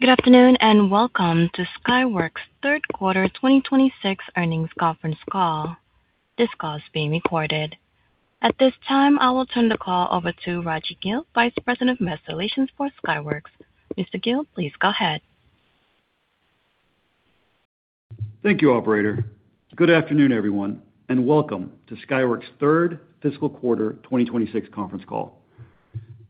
Good afternoon, and welcome to Skyworks' third quarter 2026 earnings conference call. This call is being recorded. At this time, I will turn the call over to Raji Gill, Vice President of Investor Relations for Skyworks. Mr. Gill, please go ahead. Thank you, operator. Good afternoon, everyone, and welcome to Skyworks' third fiscal quarter 2026 conference call.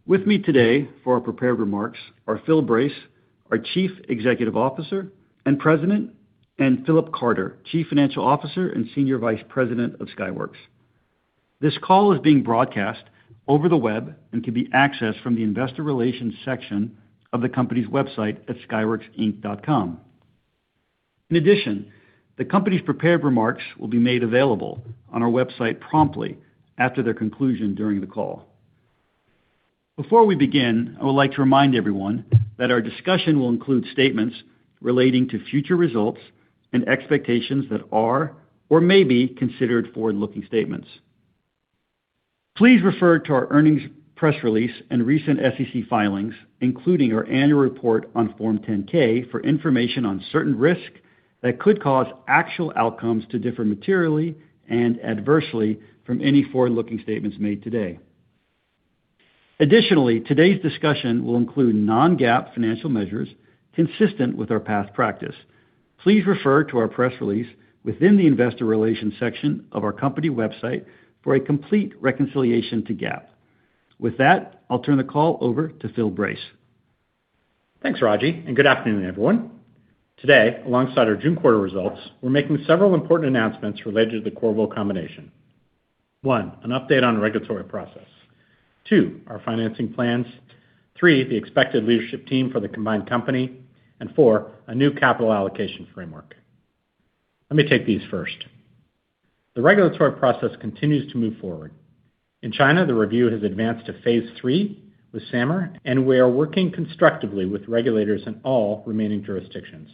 With me today for our prepared remarks are Phil Brace, our Chief Executive Officer and President, and Philip Carter, Chief Financial Officer and Senior Vice President of Skyworks. This call is being broadcast over the web and can be accessed from the investor relations section of the company's website at skyworksinc.com. In addition, the company's prepared remarks will be made available on our website promptly after their conclusion during the call. Before we begin, I would like to remind everyone that our discussion will include statements relating to future results and expectations that are or may be considered forward-looking statements. Please refer to our earnings press release and recent SEC filings, including our annual report on Form 10-K, for information on certain risks that could cause actual outcomes to differ materially and adversely from any forward-looking statements made today. Additionally, today's discussion will include non-GAAP financial measures consistent with our past practice. Please refer to our press release within the investor relations section of our company website for a complete reconciliation to GAAP. With that, I'll turn the call over to Phil Brace. Thanks, Raji, and good afternoon, everyone. Today, alongside our June quarter results, we're making several important announcements related to the Qorvo combination. One, an update on the regulatory process. Two, our financing plans. Three, the expected leadership team for the combined company, and four, a new capital allocation framework. Let me take these first. The regulatory process continues to move forward. In China, the review has advanced to phase III with SAMR, and we are working constructively with regulators in all remaining jurisdictions.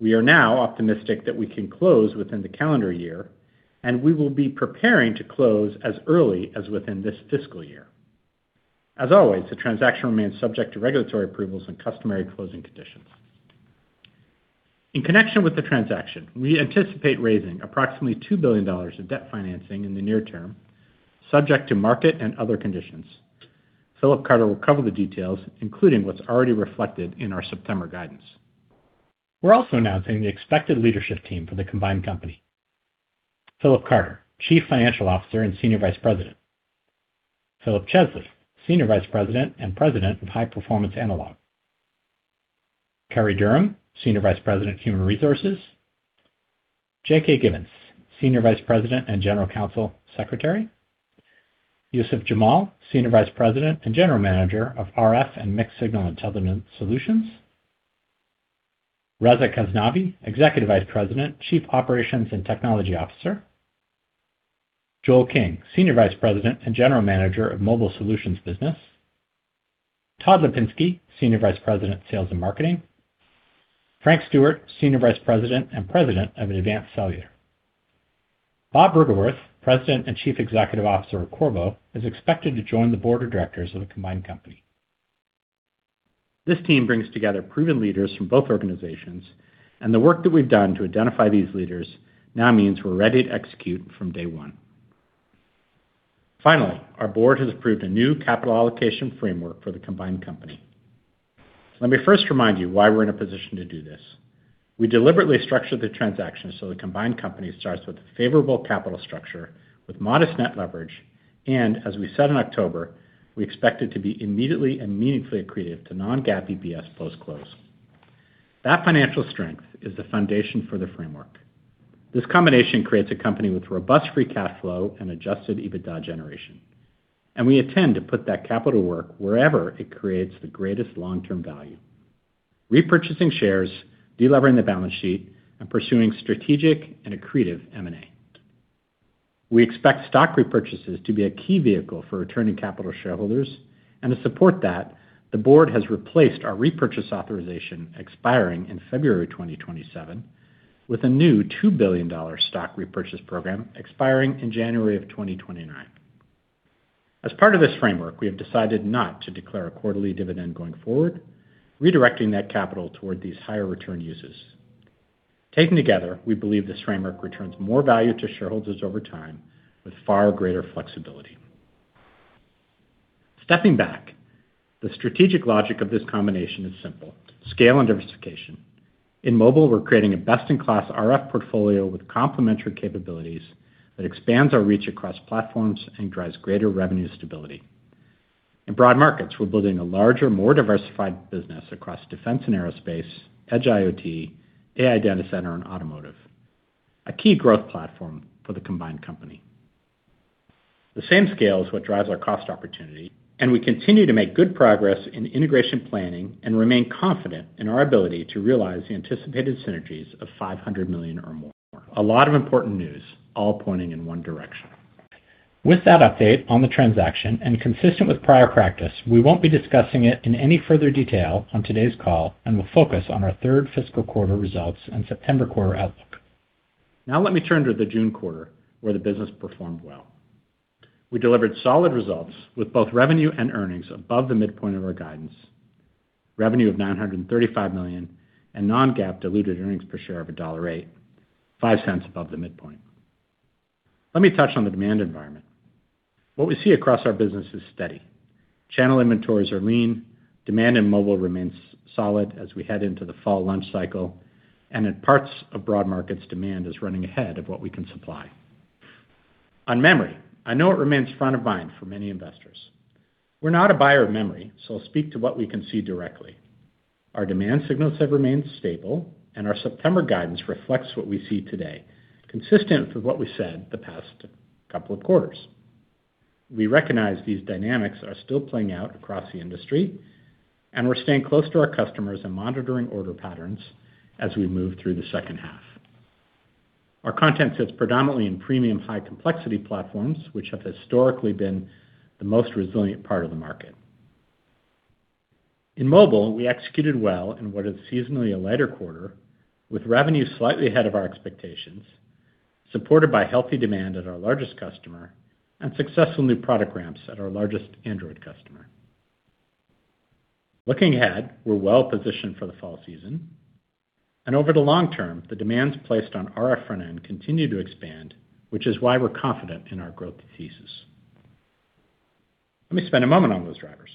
We are now optimistic that we can close within the calendar year, and we will be preparing to close as early as within this fiscal year. As always, the transaction remains subject to regulatory approvals and customary closing conditions. In connection with the transaction, we anticipate raising approximately $2 billion of debt financing in the near term, subject to market and other conditions. Philip Carter will cover the details, including what's already reflected in our September guidance. We're also announcing the expected leadership team for the combined company. Philip Carter, Chief Financial Officer and Senior Vice President. Philip Chesley, Senior Vice President and President of High Performance Analog. Kari Durham, Senior Vice President, Human Resources. J.K. Givens, Senior Vice President and General Counsel, Secretary. Yusuf Jamal, Senior Vice President and General Manager of RF and Mixed-Signal Intelligence Solutions. Reza Kasnavi, Executive Vice President, Chief Operations and Technology Officer. Joel King, Senior Vice President and General Manager of Mobile Solutions Business. Todd Lepinski, Senior Vice President, Sales and Marketing. Frank Stewart, Senior Vice President and President of Advanced Cellular. Bob Bruggeworth, President and Chief Executive Officer of Qorvo, is expected to join the board of directors of the combined company. This team brings together proven leaders from both organizations, and the work that we've done to identify these leaders now means we're ready to execute from day one. Finally, our board has approved a new capital allocation framework for the combined company. Let me first remind you why we're in a position to do this. We deliberately structured the transaction so the combined company starts with a favorable capital structure with modest net leverage, and as we said in October, we expect it to be immediately and meaningfully accretive to non-GAAP EPS post-close. That financial strength is the foundation for the framework. This combination creates a company with robust free cash flow and adjusted EBITDA generation, and we intend to put that capital work wherever it creates the greatest long-term value. Repurchasing shares, de-levering the balance sheet, and pursuing strategic and accretive M&A. We expect stock repurchases to be a key vehicle for returning capital to shareholders, and to support that, the board has replaced our repurchase authorization expiring in February 2027 with a new $2 billion stock repurchase program expiring in January of 2029. As part of this framework, we have decided not to declare a quarterly dividend going forward, redirecting that capital toward these higher return uses. Taken together, we believe this framework returns more value to shareholders over time with far greater flexibility. Stepping back, the strategic logic of this combination is simple: scale and diversification. In mobile, we're creating a best-in-class RF portfolio with complementary capabilities that expands our reach across platforms and drives greater revenue stability. In broad markets, we're building a larger, more diversified business across defense and aerospace, edge IoT, AI data center, and automotive, a key growth platform for the combined company. The same scale is what drives our cost opportunity, and we continue to make good progress in integration planning and remain confident in our ability to realize the anticipated synergies of $500 million or more. A lot of important news all pointing in one direction. With that update on the transaction, and consistent with prior practice, we won't be discussing it in any further detail on today's call and will focus on our third fiscal quarter results and September quarter outlook. Now let me turn to the June quarter, where the business performed well. We delivered solid results with both revenue and earnings above the midpoint of our guidance. Revenue of $935 million and non-GAAP diluted earnings per share of $1.08, $0.05 above the midpoint. Let me touch on the demand environment. What we see across our business is steady. Channel inventories are lean. Demand in mobile remains solid as we head into the fall launch cycle. In parts of broad markets, demand is running ahead of what we can supply. On memory, I know it remains front of mind for many investors. We're not a buyer of memory, so I'll speak to what we can see directly. Our demand signals have remained stable. Our September guidance reflects what we see today, consistent with what we said the past couple of quarters. We recognize these dynamics are still playing out across the industry. We're staying close to our customers and monitoring order patterns as we move through the second half. Our content sits predominantly in premium high-complexity platforms, which have historically been the most resilient part of the market. In mobile, we executed well in what is seasonally a lighter quarter, with revenue slightly ahead of our expectations, supported by healthy demand at our largest customer and successful new product ramps at our largest Android customer. Looking ahead, we're well-positioned for the fall season. Over the long term, the demands placed on RF front end continue to expand, which is why we're confident in our growth thesis. Let me spend a moment on those drivers.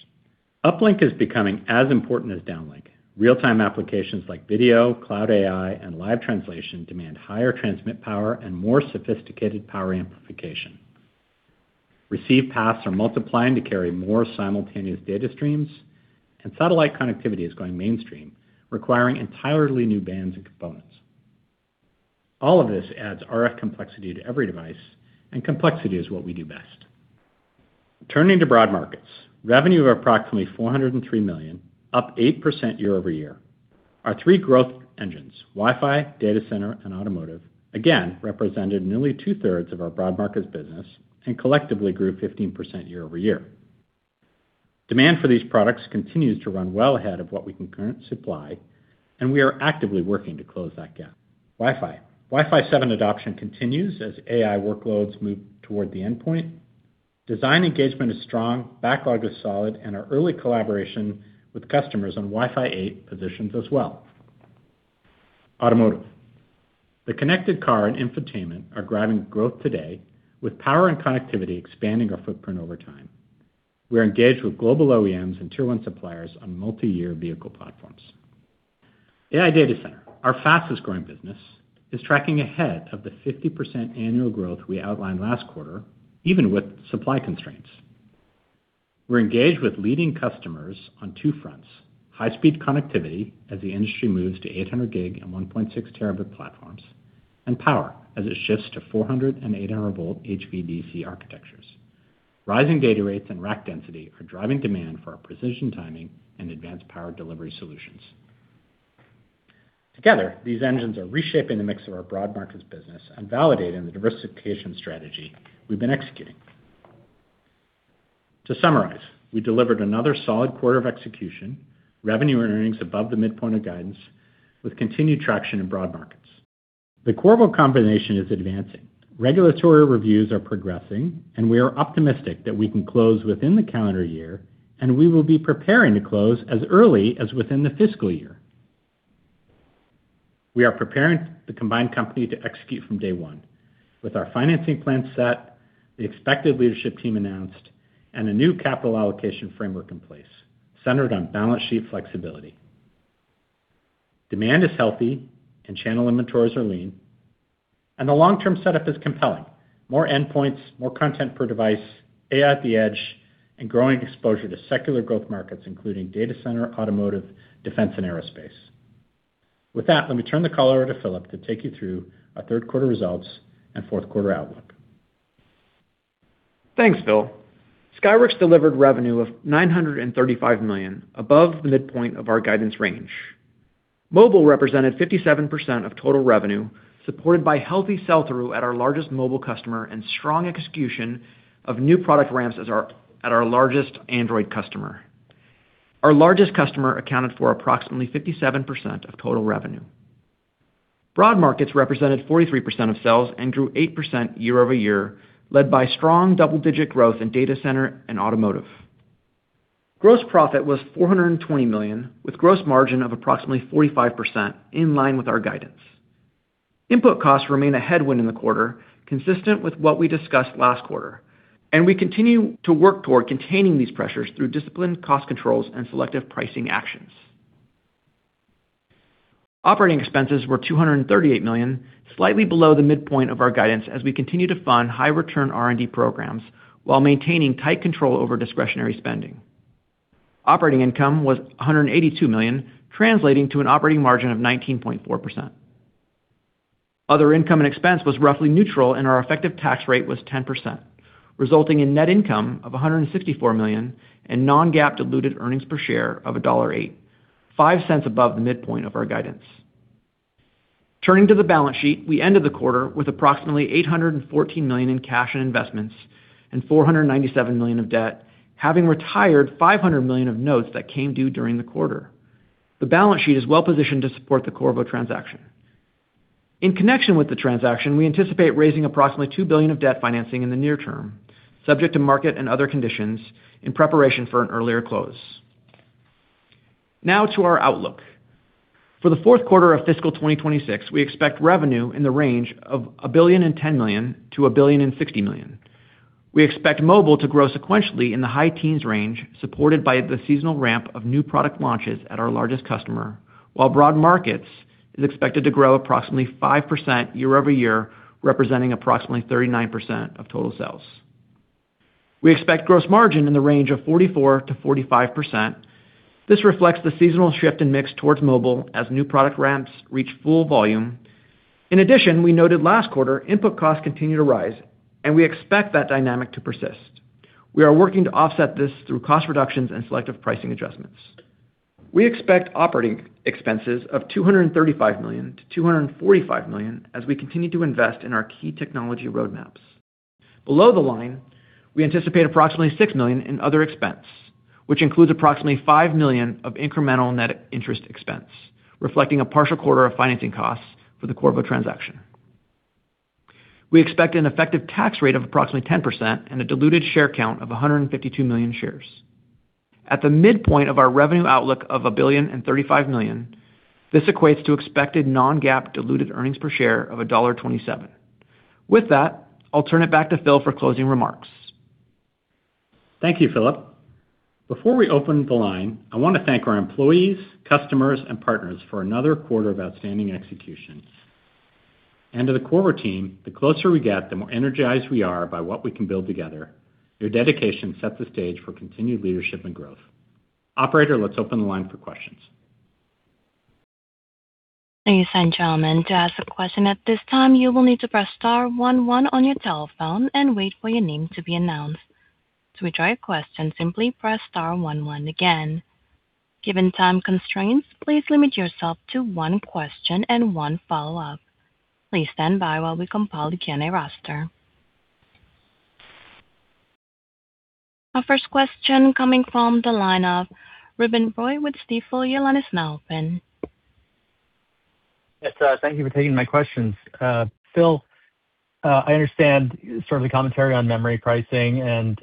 Uplink is becoming as important as downlink. Real-time applications like video, cloud AI, and live translation demand higher transmit power and more sophisticated power amplification. Receive paths are multiplying to carry more simultaneous data streams. Satellite connectivity is going mainstream, requiring entirely new bands and components. All of this adds RF complexity to every device. Complexity is what we do best. Turning to broad markets. Revenue of approximately $403 million, up 8% year-over-year. Our three growth engines, Wi-Fi, data center and automotive, again represented nearly 2/3 of our broad markets business and collectively grew 15% year-over-year. Demand for these products continues to run well ahead of what we can currently supply. We are actively working to close that gap. Wi-Fi. Wi-Fi 7 adoption continues as AI workloads move toward the endpoint. Design engagement is strong, backlog is solid. Our early collaboration with customers on Wi-Fi 8 positions us well. Automotive. The connected car and infotainment are driving growth today, with power and connectivity expanding our footprint over time. We are engaged with global OEMs and tier one suppliers on multi-year vehicle platforms. AI data center, our fastest-growing business, is tracking ahead of the 50% annual growth we outlined last quarter, even with supply constraints. We're engaged with leading customers on two fronts: high-speed connectivity as the industry moves to 800 Gb and 1.6 Tb platforms, and power as it shifts to 400 and 800 volt HVDC architectures. Rising data rates and rack density are driving demand for our precision timing and advanced power delivery solutions. Together, these engines are reshaping the mix of our broad markets business and validating the diversification strategy we've been executing. To summarize, we delivered another solid quarter of execution, revenue, and earnings above the midpoint of guidance, with continued traction in broad markets. The Qorvo combination is advancing. Regulatory reviews are progressing. We are optimistic that we can close within the calendar year. We will be preparing to close as early as within the fiscal year. We are preparing the combined company to execute from day one. With our financing plan set, the expected leadership team announced, and a new capital allocation framework in place centered on balance sheet flexibility. Demand is healthy and channel inventories are lean. The long-term setup is compelling. More endpoints, more content per device, AI at the edge, growing exposure to secular growth markets including data center, automotive, defense, and aerospace. With that, let me turn the call over to Philip to take you through our third quarter results and fourth quarter outlook. Thanks, Phil. Skyworks delivered revenue of $935 million, above the midpoint of our guidance range. Mobile represented 57% of total revenue, supported by healthy sell-through at our largest mobile customer and strong execution of new product ramps at our largest Android customer. Our largest customer accounted for approximately 57% of total revenue. Broad markets represented 43% of sales and grew 8% year-over-year, led by strong double-digit growth in data center and automotive. Gross profit was $420 million, with gross margin of approximately 45%, in line with our guidance. Input costs remain a headwind in the quarter, consistent with what we discussed last quarter. We continue to work toward containing these pressures through disciplined cost controls and selective pricing actions. Operating expenses were $238 million, slightly below the midpoint of our guidance as we continue to fund high-return R&D programs while maintaining tight control over discretionary spending. Operating income was $182 million, translating to an operating margin of 19.4%. Other income and expense was roughly neutral. Our effective tax rate was 10%, resulting in net income of $164 million. Non-GAAP diluted earnings per share of $1.08, $0.05 above the midpoint of our guidance. Turning to the balance sheet, we ended the quarter with approximately $814 million in cash and investments and $497 million of debt, having retired $500 million of notes that came due during the quarter. The balance sheet is well positioned to support the Qorvo transaction. In connection with the transaction, we anticipate raising approximately $2 billion of debt financing in the near term, subject to market and other conditions in preparation for an earlier close. Now to our outlook. For the fourth quarter of fiscal 2026, we expect revenue in the range of $1.01 billion-$1.06 billion. We expect mobile to grow sequentially in the high teens range, supported by the seasonal ramp of new product launches at our largest customer, while broad markets is expected to grow approximately 5% year-over-year, representing approximately 39% of total sales. We expect gross margin in the range of 44%-45%. This reflects the seasonal shift in mix towards mobile as new product ramps reach full volume. In addition, we noted last quarter input costs continue to rise. We expect that dynamic to persist. We are working to offset this through cost reductions and selective pricing adjustments. We expect operating expenses of $235 million-$245 million as we continue to invest in our key technology roadmaps. Below the line, we anticipate approximately $6 million in other expense, which includes approximately $5 million of incremental net interest expense, reflecting a partial quarter of financing costs for the Qorvo transaction. We expect an effective tax rate of approximately 10% and a diluted share count of 152 million shares. At the midpoint of our revenue outlook of $1,035,000,000, this equates to expected non-GAAP diluted earnings per share of $1.27. With that, I'll turn it back to Phil for closing remarks. Thank you, Philip. Before we open the line, I want to thank our employees, customers, and partners for another quarter of outstanding execution. To the Qorvo team, the closer we get, the more energized we are by what we can build together. Your dedication sets the stage for continued leadership and growth. Operator, let's open the line for questions. Ladies and gentlemen, to ask a question at this time, you will need to press star one one on your telephone and wait for your name to be announced. To withdraw your question, simply press star one one again. Given time constraints, please limit yourself to one question and one follow-up. Please stand by while we compile the Q&A roster. Our first question coming from the line of Ruben Roy with Stifel. Your line is now open. Yes, thank you for taking my questions. Phil, I understand sort of the commentary on memory pricing and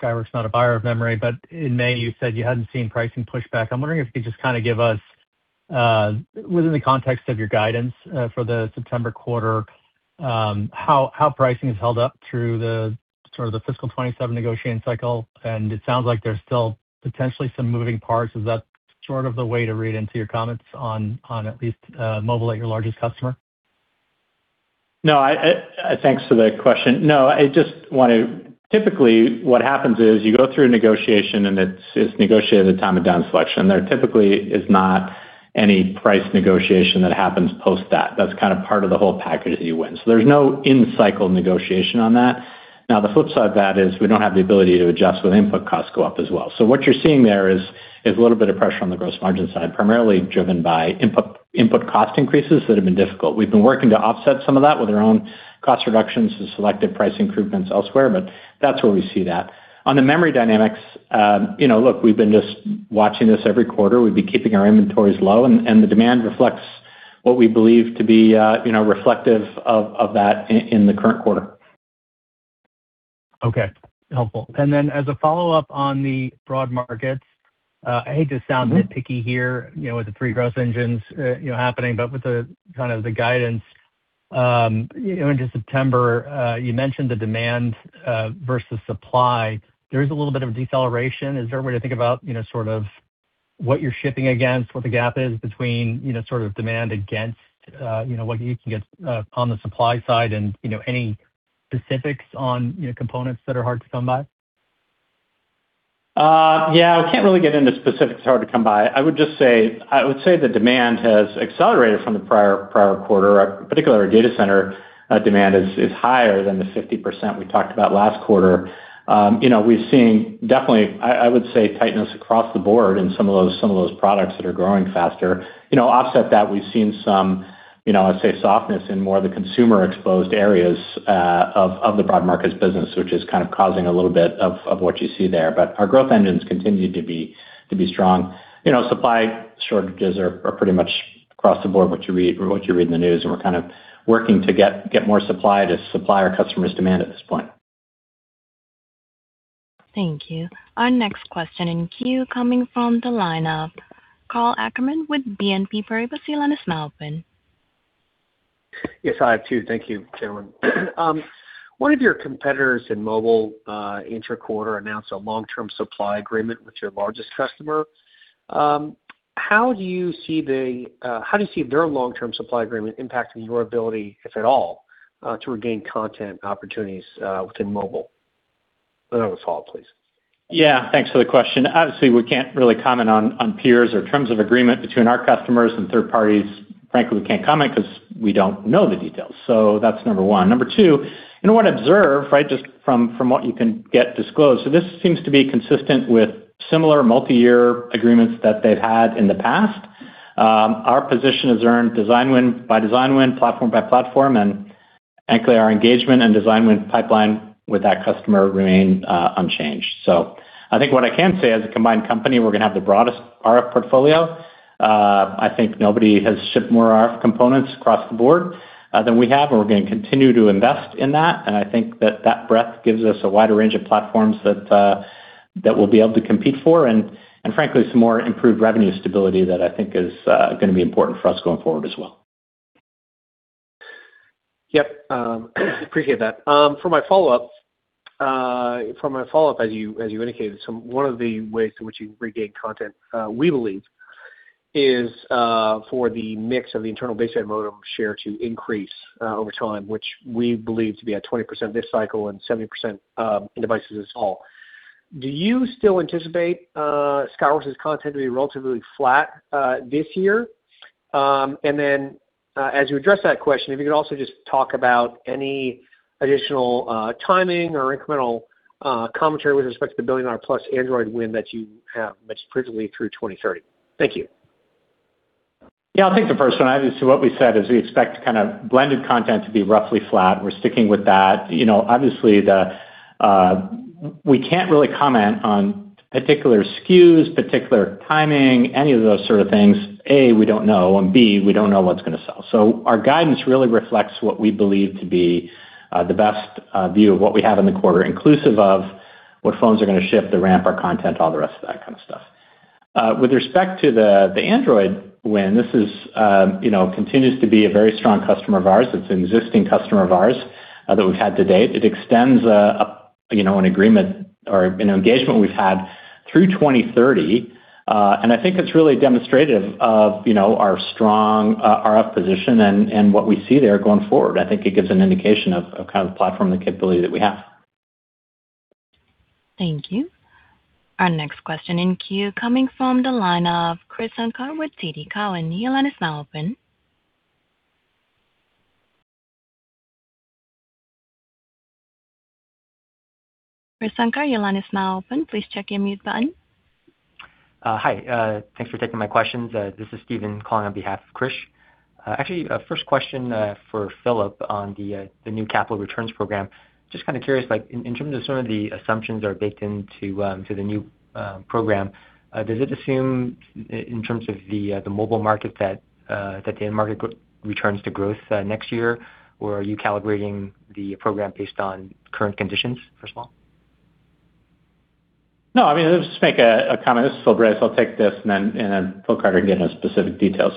Skyworks is not a buyer of memory, but in May you said you hadn't seen pricing push back. I'm wondering if you could just give us, within the context of your guidance for the September quarter, how pricing has held up through the fiscal 2027 negotiating cycle. It sounds like there's still potentially some moving parts. Is that sort of the way to read into your comments on at least mobile at your largest customer? Thanks for the question. Typically what happens is you go through a negotiation, and it's negotiated at time of down selection. There typically is not any price negotiation that happens post that. That's kind of part of the whole package that you win. There's no in-cycle negotiation on that. Now, the flip side of that is we don't have the ability to adjust when input costs go up as well. What you're seeing there is a little bit of pressure on the gross margin side, primarily driven by input cost increases that have been difficult. We've been working to offset some of that with our own cost reductions and selective price improvements elsewhere, but that's where we see that. On the memory dynamics, look, we've been just watching this every quarter. We've been keeping our inventories low. The demand reflects what we believe to be reflective of that in the current quarter. Okay. Helpful. As a follow-up on the broad markets, I hate to sound nitpicky here, with the three growth engines happening, with the kind of the guidance into September, you mentioned the demand versus supply. There is a little bit of a deceleration. Is there a way to think about sort of what you're shipping against, what the gap is between sort of demand against what you can get on the supply side and any specifics on components that are hard to come by? Yeah, I can't really get into specifics, hard to come by. I would say the demand has accelerated from the prior quarter. Particularly our data center demand is higher than the 50% we talked about last quarter. We've seen definitely, I would say, tightness across the board in some of those products that are growing faster. Offset that, we've seen some, I'd say, softness in more of the consumer exposed areas of the broad markets business, which is kind of causing a little bit of what you see there. Our growth engines continue to be strong. Supply shortages are pretty much across the board what you read in the news. We're kind of working to get more supply to supply our customers' demand at this point. Thank you. Our next question in queue coming from the line of Karl Ackerman with BNP Paribas. Your line is now open. Yes, I have two. Thank you, gentlemen. One of your competitors in mobile, intra-quarter, announced a long-term supply agreement with your largest customer. How do you see their long-term supply agreement impacting your ability, if at all, to regain content opportunities within mobile? Another follow-up, please. Yeah, thanks for the question. Obviously, we can't really comment on peers or terms of agreement between our customers and third parties. Frankly, we can't comment because we don't know the details. That's number one. Number two, what I observe, right, just from what you can get disclosed. This seems to be consistent with similar multi-year agreements that they've had in the past. Our position is earned design win by design win, platform by platform. Frankly, our engagement and design win pipeline with that customer remain unchanged. I think what I can say, as a combined company, we're going to have the broadest RF portfolio. I think nobody has shipped more RF components across the board than we have, and we're going to continue to invest in that. I think that breadth gives us a wider range of platforms that we'll be able to compete for, and frankly, some more improved revenue stability that I think is going to be important for us going forward as well. Yep. Appreciate that. For my follow-up, as you indicated, one of the ways in which you regain content, we believe, is for the mix of the internal baseband modem share to increase over time, which we believe to be at 20% this cycle and 70% in devices as a whole. Do you still anticipate Skyworks's content to be relatively flat this year? And then as you address that question, if you could also just talk about any additional timing or incremental commentary with respect to the billion-dollar-plus Android win that you have mentioned previously through 2030. Thank you. Yeah. I'll take the first one. Obviously, what we said is we expect kind of blended content to be roughly flat, and we're sticking with that. Obviously, we can't really comment on particular SKUs, particular timing, any of those sort of things. A, we don't know, and B, we don't know what's going to sell. Our guidance really reflects what we believe to be the best view of what we have in the quarter, inclusive of what phones are going to ship, the ramp, our content, all the rest of that kind of stuff. With respect to the Android win, this continues to be a very strong customer of ours. It's an existing customer of ours that we've had to date. It extends an agreement or an engagement we've had through 2030. I think it's really demonstrative of our strong RF position and what we see there going forward. I think it gives an indication of the kind of platform and the capability that we have. Thank you. Our next question in queue coming from the line of Krish Sankar with TD Cowen. Your line is now open. Krish Sankar, your line is now open. Please check your mute button. Hi. Thanks for taking my questions. This is Steven calling on behalf of Krish. First question for Philip on the new capital returns program. Just kind of curious, in terms of some of the assumptions are baked into the new program, does it assume in terms of the mobile market that the end market returns to growth next year? Or are you calibrating the program based on current conditions, first of all? I mean, let's just make a comment. This is Phil Brace. I'll take this, and then Phil Carter can get into specific details.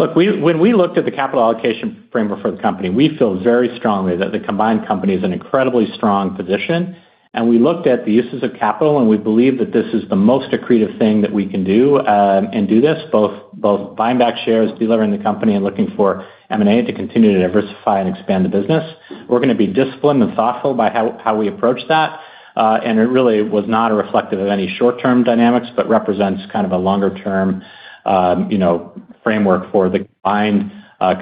Look, when we looked at the capital allocation framework for the company, we feel very strongly that the combined company is in an incredibly strong position. We looked at the uses of capital, and we believe that this is the most accretive thing that we can do and do this, both buying back shares, deleveraging the company and looking for M&A to continue to diversify and expand the business. We're going to be disciplined and thoughtful by how we approach that. It really was not reflective of any short-term dynamics, but represents kind of a longer-term framework for the combined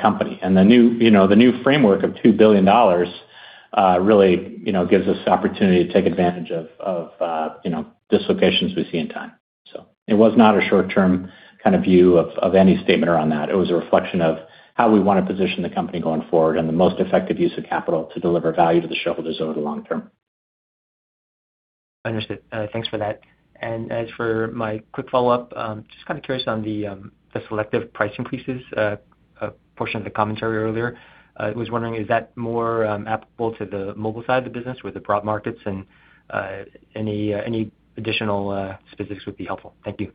company. The new framework of $2 billion really gives us the opportunity to take advantage of dislocations we see in time. It was not a short-term kind of view of any statement around that. It was a reflection of how we want to position the company going forward and the most effective use of capital to deliver value to the shareholders over the long term. Understood. Thanks for that. As for my quick follow-up, just kind of curious on the selective price increases portion of the commentary earlier. I was wondering, is that more applicable to the mobile side of the business with the broad markets and any additional specifics would be helpful. Thank you.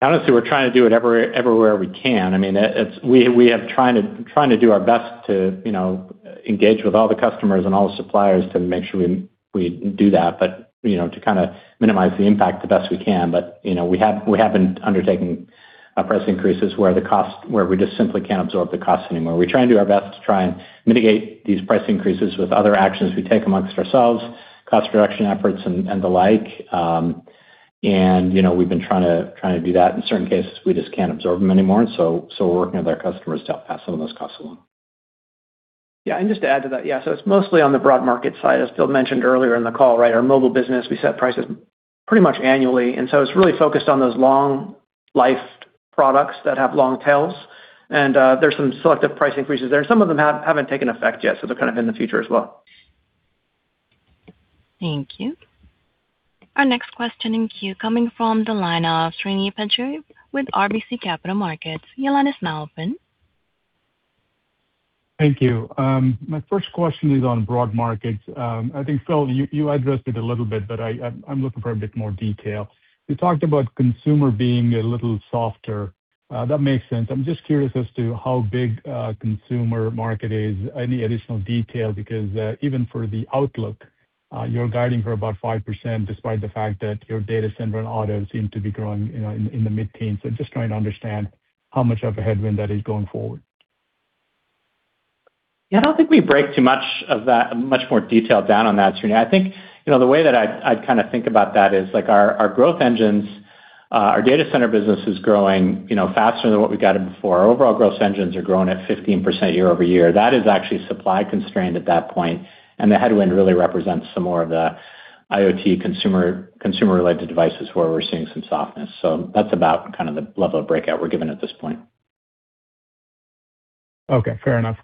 Honestly, we're trying to do it everywhere we can. I mean, we have trying to do our best to engage with all the customers and all the suppliers to make sure we do that, but to kind of minimize the impact the best we can. We have been undertaking price increases where we just simply can't absorb the cost anymore. We try and do our best to try and mitigate these price increases with other actions we take amongst ourselves, cost reduction efforts, and the like. We've been trying to do that. In certain cases, we just can't absorb them anymore, we're working with our customers to pass some of those costs along. Yeah. Just to add to that, yeah, it's mostly on the broad market side, as Phil mentioned earlier in the call, right? Our Mobile Solutions Business, we set prices pretty much annually, it's really focused on those long-life products that have long tails. There's some selective price increases there. Some of them haven't taken effect yet, they're kind of in the future as well. Thank you. Our next question in queue coming from the line of Srini Pajjuri with RBC Capital Markets. Your line is now open. Thank you. My first question is on broad markets. I think, Phil, you addressed it a little bit, I'm looking for a bit more detail. You talked about consumer being a little softer. That makes sense. I'm just curious as to how big a consumer market is. Any additional detail because even for the outlook, you're guiding for about 5% despite the fact that your data center and auto seem to be growing in the mid-teens. Just trying to understand how much of a headwind that is going forward. I don't think we break too much of that, much more detail down on that, Srini. I think the way that I kind of think about that is like our growth engines, our data center business is growing faster than what we've guided before. Our overall growth engines are growing at 15% year-over-year. That is actually supply constrained at that point, and the headwind really represents some more of the IoT consumer-related devices where we're seeing some softness. That's about kind of the level of breakout we're giving at this point. Fair enough.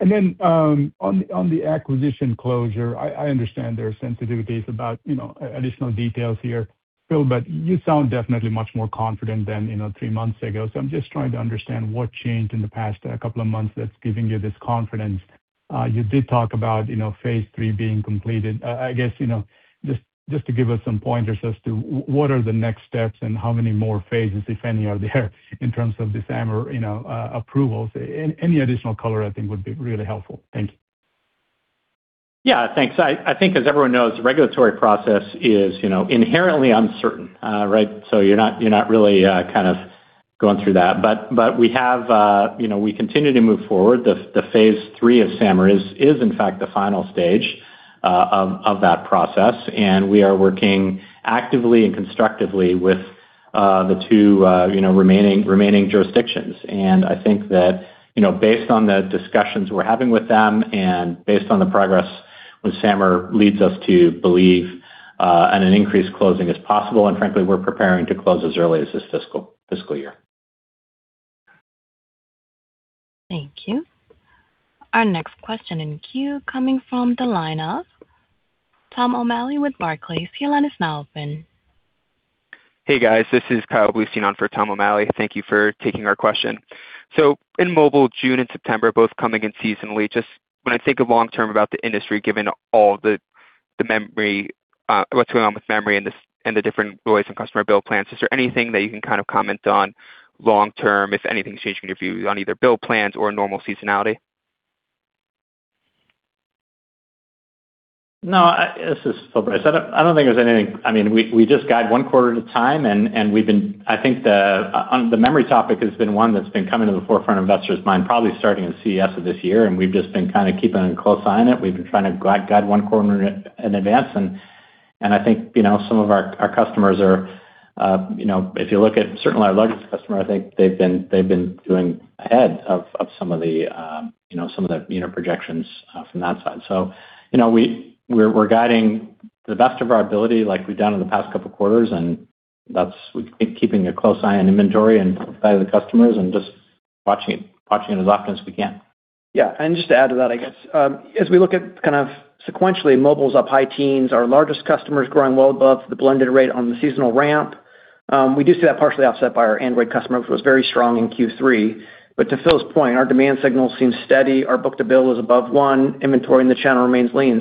On the acquisition closure, I understand there are sensitivities about additional details here, Phil, but you sound definitely much more confident than three months ago. I'm just trying to understand what changed in the past couple of months that's giving you this confidence. You did talk about phase III being completed. I guess, just to give us some pointers as to what are the next steps and how many more phases, if any, are there in terms of the SAMR approvals. Any additional color, I think, would be really helpful. Thank you. Thanks. I think as everyone knows, the regulatory process is inherently uncertain, right? You're not really kind of going through that. We continue to move forward. The phase III of SAMR is in fact the final stage of that process, and we are working actively and constructively with the two remaining jurisdictions. I think that based on the discussions we're having with them and based on the progress with SAMR, leads us to believe an increased closing is possible. Frankly, we're preparing to close as early as this fiscal year. Thank you. Our next question in queue coming from the line of Tom O'Malley with Barclays. Your line is now open. Hey, guys, this is Kyle Bleustein on for Tom O'Malley. Thank you for taking our question. In mobile, June and September both coming in seasonally. Just when I think of long term about the industry, given all what's going on with memory and the different voice and customer bill plans, is there anything that you can kind of comment on long term if anything's changed in your view on either bill plans or normal seasonality? No, this is Phil Brace. I don't think there's anything. We just guide one quarter at a time. I think the memory topic has been one that's been coming to the forefront of investors mind, probably starting at CES of this year. We've just been kind of keeping a close eye on it. We've been trying to guide one quarter in advance. I think some of our customers are, if you look at certainly our largest customer, I think they've been doing ahead of some of the unit projections from that side. We're guiding to the best of our ability like we've done in the past couple of quarters, and that's keeping a close eye on inventory and side of the customers and just watching it as often as we can. Yeah. Just to add to that, I guess, as we look at kind of sequentially, mobile's up high teens, our largest customers growing well above the blended rate on the seasonal ramp. We do see that partially offset by our Android customer, which was very strong in Q3. To Phil's point, our demand signals seem steady. Our book to bill is above one. Inventory in the channel remains lean.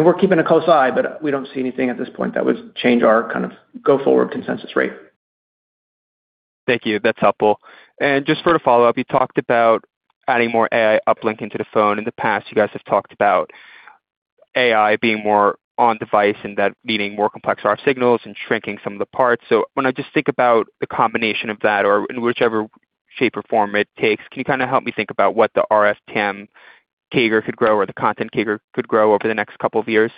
We're keeping a close eye, but we don't see anything at this point that would change our kind of go forward consensus rate. Thank you. That's helpful. Just for the follow-up, you talked about adding more AI uplink into the phone. In the past, you guys have talked about AI being more on-device and that meaning more complex RF signals and shrinking some of the parts. When I just think about the combination of that or in whichever shape or form it takes, can you kind of help me think about what the RF TAM CAGR could grow or the content CAGR could grow over the next couple of years?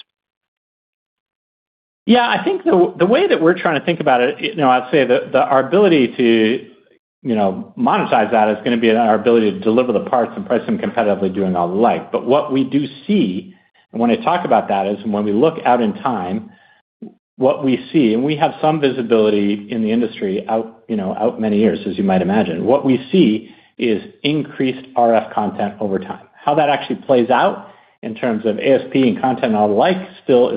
Yeah, I think the way that we're trying to think about it, I'd say that our ability to monetize that is going to be on our ability to deliver the parts and price them competitively, doing all the like. What we do see, and when I talk about that, is when we look out in time, what we see, and we have some visibility in the industry out many years, as you might imagine. What we see is increased RF content over time. How that actually plays out in terms of ASP and content and all the like is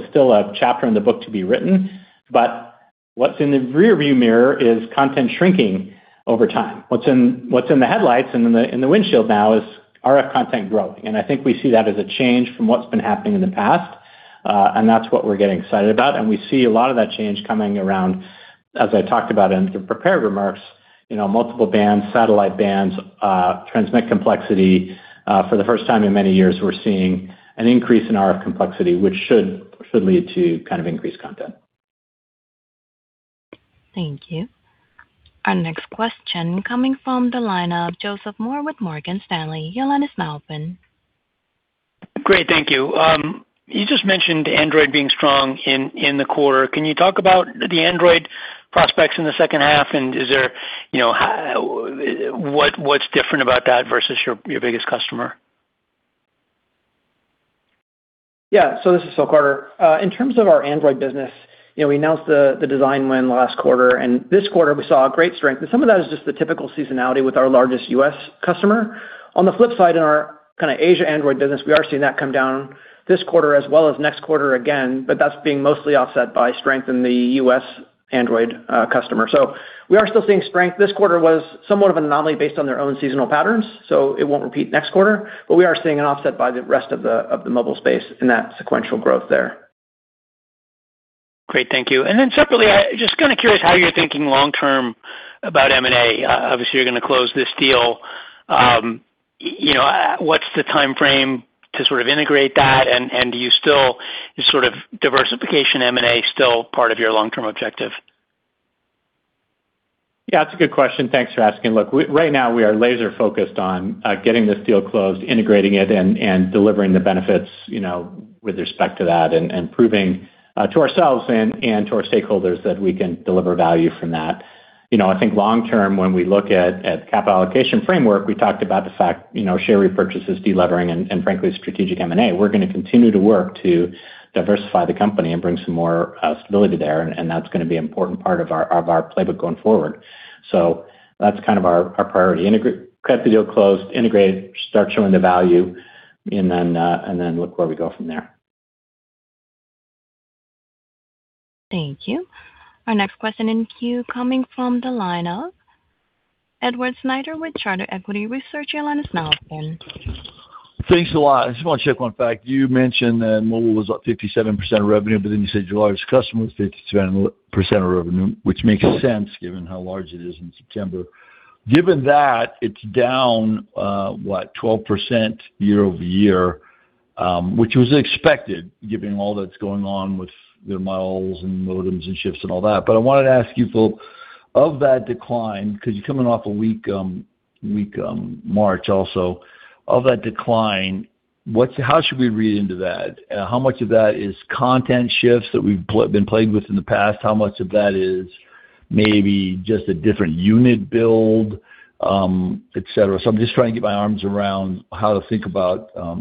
still a chapter in the book to be written. What's in the rear view mirror is content shrinking over time. What's in the headlights and in the windshield now is RF content growth. I think we see that as a change from what's been happening in the past, and that's what we're getting excited about. We see a lot of that change coming around, as I talked about in the prepared remarks, multiple bands, satellite bands, transmit complexity. For the first time in many years, we're seeing an increase in RF complexity, which should lead to kind of increased content. Thank you. Our next question coming from the line of Joseph Moore with Morgan Stanley. Your line is now open. Great. Thank you. You just mentioned Android being strong in the quarter. Can you talk about the Android prospects in the second half? What's different about that versus your biggest customer? Yeah. This is Phil Carter. In terms of our Android business, we announced the design win last quarter, and this quarter we saw great strength, but some of that is just the typical seasonality with our largest U.S. customer. On the flip side, in our kind of Asia Android business, we are seeing that come down this quarter as well as next quarter again, but that's being mostly offset by strength in the U.S. Android customer. We are still seeing strength. This quarter was somewhat of an anomaly based on their own seasonal patterns, so it won't repeat next quarter, but we are seeing an offset by the rest of the mobile space in that sequential growth there. Great. Thank you. Separately, just kind of curious how you're thinking long term about M&A. Obviously, you're going to close this deal. What's the timeframe to sort of integrate that, and do you still sort of diversification M&A still part of your long-term objective? Yeah, that's a good question. Thanks for asking. Look, right now we are laser focused on getting this deal closed, integrating it, and delivering the benefits with respect to that, and proving to ourselves and to our stakeholders that we can deliver value from that. I think long term, when we look at capital allocation framework, we talked about the fact share repurchases, de-levering, and frankly, strategic M&A. We're going to continue to work to diversify the company and bring some more stability there, and that's going to be important part of our playbook going forward. That's kind of our priority. Credit the deal closed, integrate, start showing the value, and then look where we go from there. Thank you. Our next question in queue coming from the line of Edward Snyder with Charter Equity Research. Your line is now open. Thanks a lot. I just want to check one fact. You mentioned that Mobile was up 57% revenue, then you said your largest customer was 57% of revenue, which makes sense given how large it is in September. Given that, it is down what? 12% year-over-year, which was expected given all that is going on with the models and modems and shifts and all that. I wanted to ask you, Phil, of that decline, because you are coming off a weak March also, of that decline, how should we read into that? How much of that is content shifts that we have been plagued with in the past? How much of that is maybe just a different unit build, et cetera? I am just trying to get my arms around how to think about your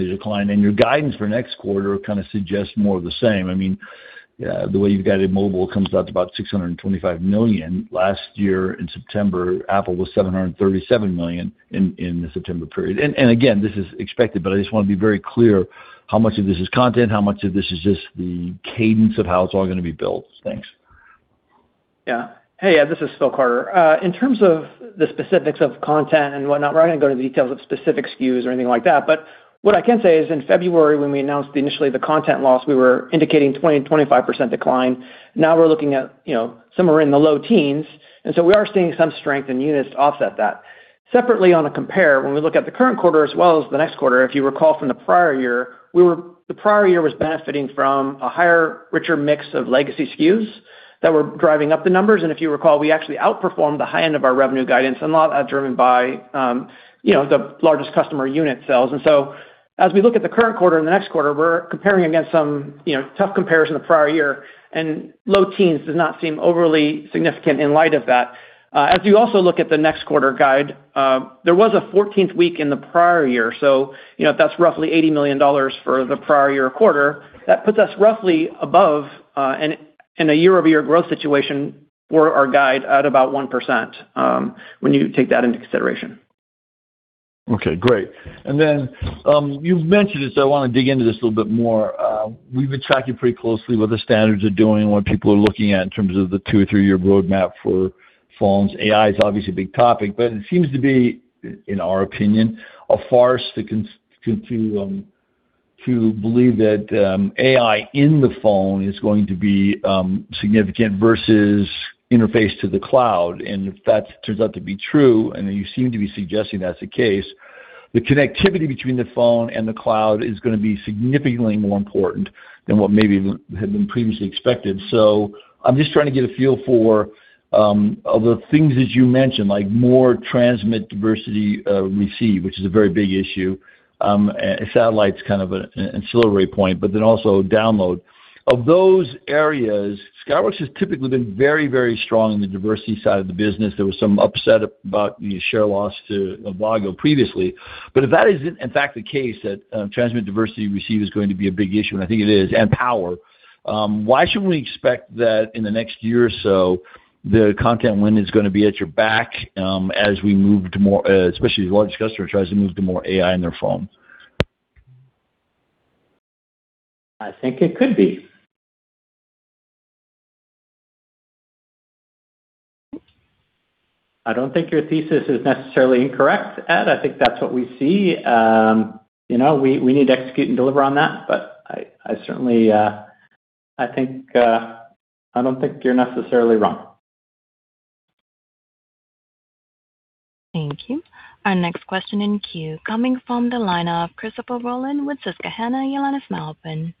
decline. Your guidance for next quarter kind of suggests more of the same. The way you have got it, Mobile comes out to about $625 million. Last year in September, Apple was $737 million in the September period. Again, this is expected, but I just want to be very clear how much of this is content, how much of this is just the cadence of how it is all going to be built. Thanks. Yeah. Hey, Ed, this is Philip Carter. In terms of the specifics of content and whatnot, we are not going to go to the details of specific SKUs or anything like that. What I can say is in February, when we announced initially the content loss, we were indicating 20%-25% decline. Now we are looking at somewhere in the low teens, so we are seeing some strength in units to offset that. Separately on a compare, when we look at the current quarter as well as the next quarter, if you recall from the prior year, the prior year was benefiting from a higher, richer mix of legacy SKUs that were driving up the numbers. If you recall, we actually outperformed the high end of our revenue guidance and a lot of that driven by the largest customer unit sales. As we look at the current quarter and the next quarter, we are comparing against some tough comparison the prior year, low teens does not seem overly significant in light of that. As you also look at the next quarter guide, there was a 14th week in the prior year, so that is roughly $80 million for the prior year quarter. That puts us roughly above, in a year-over-year growth situation for our guide at about 1% when you take that into consideration. Okay, great. You've mentioned this, I want to dig into this a little bit more. We've been tracking pretty closely what the standards are doing and what people are looking at in terms of the two or three-year roadmap for phones. AI is obviously a big topic, but it seems to be, in our opinion, a farce to believe that AI in the phone is going to be significant versus interface to the cloud. If that turns out to be true, and you seem to be suggesting that's the case, the connectivity between the phone and the cloud is going to be significantly more important than what maybe had been previously expected. I'm just trying to get a feel for of the things that you mentioned, like more transmit diversity receive, which is a very big issue. Satellite's kind of an ancillary point, also download. Of those areas, Skyworks has typically been very strong in the diversity side of the business. There was some upset about the share loss to Avago previously. If that is in fact the case, that transmit diversity receive is going to be a big issue, and I think it is, and power, why shouldn't we expect that in the next year or so, the content wind is going to be at your back as we move to more, especially as the largest customer tries to move to more AI in their phone? I think it could be. I don't think your thesis is necessarily incorrect, Ed. I think that's what we see. We need to execute and deliver on that, but I don't think you're necessarily wrong. Thank you. Our next question in queue coming from the line of Christopher Rolland with Susquehanna. Your line is now open.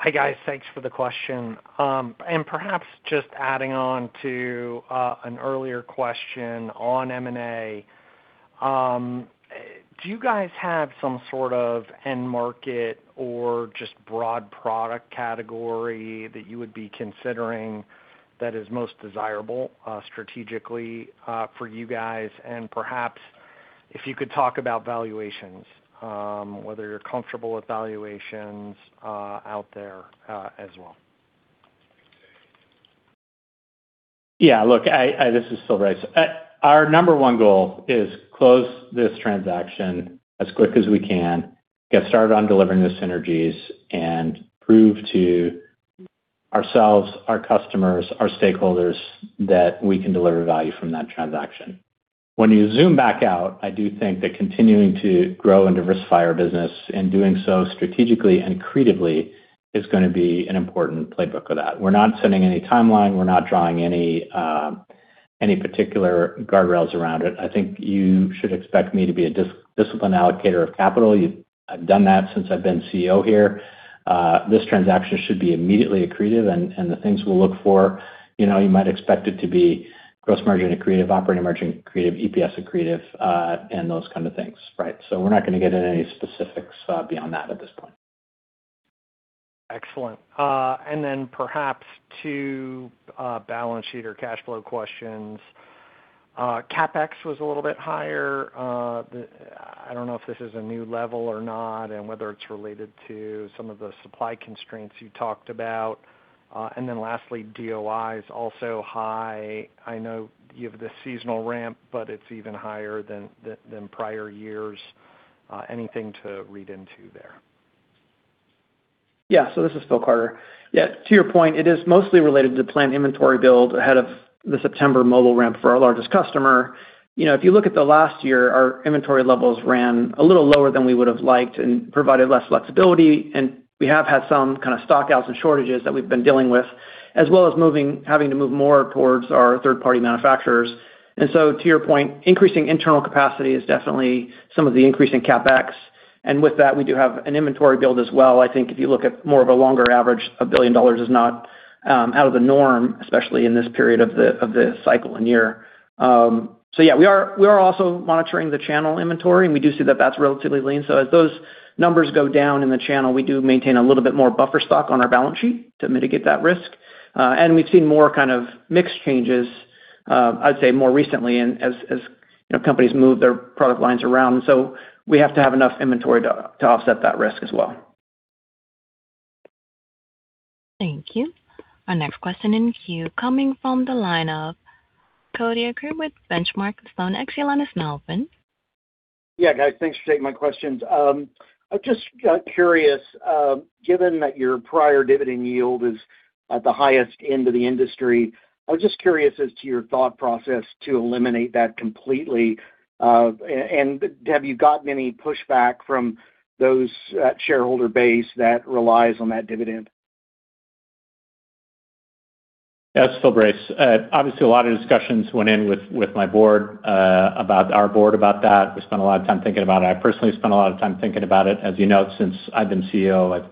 Hi, guys. Thanks for the question. Perhaps just adding on to an earlier question on M&A. Do you guys have some sort of end market or just broad product category that you would be considering that is most desirable strategically for you guys? Perhaps if you could talk about valuations, whether you're comfortable with valuations out there as well. Yeah, look, this is Phil Brace. Our number one goal is close this transaction as quick as we can, get started on delivering the synergies, and prove to ourselves, our customers, our stakeholders, that we can deliver value from that transaction. When you zoom back out, I do think that continuing to grow and diversify our business and doing so strategically and creatively is going to be an important playbook for that. We're not setting any timeline. We're not drawing any particular guardrails around it. I think you should expect me to be a disciplined allocator of capital. I've done that since I've been CEO here. This transaction should be immediately accretive. The things we'll look for, you might expect it to be gross margin accretive, operating margin accretive, EPS accretive, and those kind of things, right? We're not going to get into any specifics beyond that at this point. Excellent. Then perhaps two balance sheet or cash flow questions. CapEx was a little bit higher. I don't know if this is a new level or not, and whether it's related to some of the supply constraints you talked about. Then lastly, DOI is also high. I know you have the seasonal ramp, but it's even higher than prior years. Anything to read into there? Yeah. This is Phil Carter. Yeah, to your point, it is mostly related to planned inventory build ahead of the September mobile ramp for our largest customer. If you look at the last year, our inventory levels ran a little lower than we would have liked and provided less flexibility, and we have had some kind of stock outs and shortages that we've been dealing with, as well as having to move more towards our third-party manufacturers. To your point, increasing internal capacity is definitely some of the increase in CapEx. With that, we do have an inventory build as well. I think if you look at more of a longer average, $1 billion is not out of the norm, especially in this period of the cycle and year. Yeah, we are also monitoring the channel inventory, and we do see that that's relatively lean. As those numbers go down in the channel, we do maintain a little bit more buffer stock on our balance sheet to mitigate that risk. We've seen more kind of mix changes, I'd say more recently as companies move their product lines around, so we have to have enough inventory to offset that risk as well. Thank you. Our next question in queue coming from the line of Cody Acree with Benchmark. The phone next to Alan is now open. Yeah, guys, thanks for taking my questions. I'm just curious, given that your prior dividend yield is at the highest end of the industry, I was just curious as to your thought process to eliminate that completely. Have you gotten any pushback from those shareholder base that relies on that dividend? Yes, Phil Brace. Obviously, a lot of discussions went in with my board about our board about that. We spent a lot of time thinking about it. I personally spent a lot of time thinking about it. As you know, since I've been CEO, I've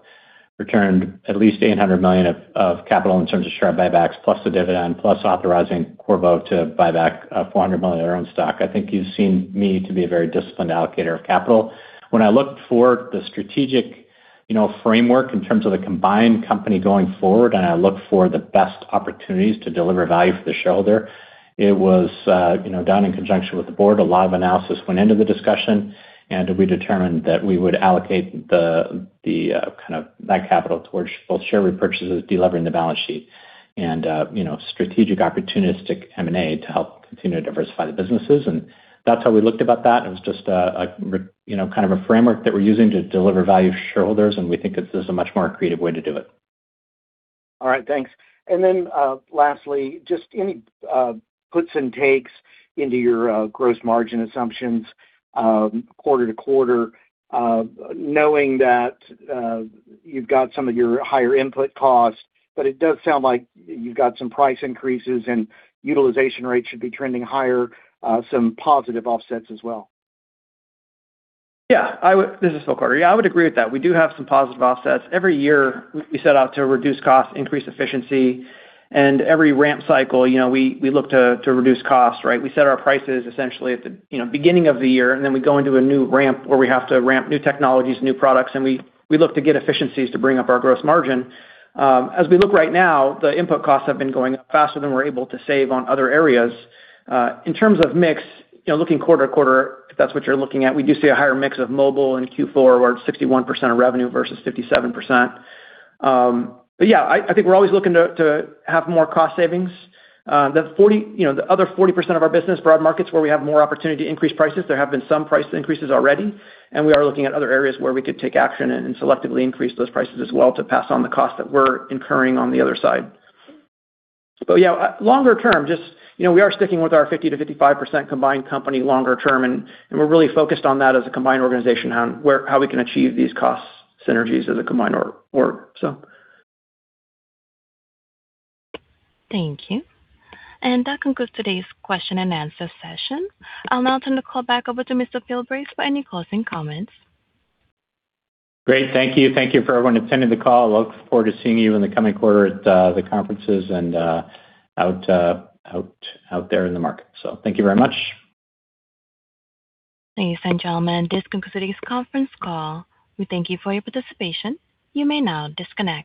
returned at least $800 million of capital in terms of share buybacks, plus the dividend, plus authorizing Qorvo to buy back $400 million in our own stock. I think you've seen me to be a very disciplined allocator of capital. When I looked for the strategic framework in terms of the combined company going forward, I looked for the best opportunities to deliver value for the shareholder, it was done in conjunction with the board. A lot of analysis went into the discussion. We determined that we would allocate that capital towards both share repurchases, de-levering the balance sheet, and strategic opportunistic M&A to help continue to diversify the businesses. That's how we looked about that. It was just a kind of a framework that we're using to deliver value to shareholders. We think this is a much more creative way to do it. All right, thanks. Lastly, just any puts and takes into your gross margin assumptions quarter to quarter, knowing that you've got some of your higher input costs. It does sound like you've got some price increases and utilization rates should be trending higher, some positive offsets as well. Yeah. This is Phil Carter. I would agree with that. We do have some positive offsets. Every year we set out to reduce costs, increase efficiency. Every ramp cycle, we look to reduce costs, right? We set our prices essentially at the beginning of the year. We go into a new ramp where we have to ramp new technologies, new products. We look to get efficiencies to bring up our gross margin. As we look right now, the input costs have been going up faster than we're able to save on other areas. In terms of mix, looking quarter to quarter, if that's what you're looking at, we do see a higher mix of Mobile in Q4 where it's 61% of revenue versus 57%. Yeah, I think we're always looking to have more cost savings. The other 40% of our business, broad markets where we have more opportunity to increase prices, there have been some price increases already, and we are looking at other areas where we could take action and selectively increase those prices as well to pass on the cost that we are incurring on the other side. Yeah, longer term, we are sticking with our 50%-55% combined company longer term. We are really focused on that as a combined organization, how we can achieve these cost synergies as a combined org, so Thank you. That concludes today's question-and-answer session. I will now turn the call back over to Mr. Phil Brace for any closing comments. Great. Thank you. Thank you for everyone attending the call. Look forward to seeing you in the coming quarter at the conferences and out there in the market. Thank you very much. Ladies and gentlemen, this concludes today's conference call. We thank you for your participation. You may now disconnect.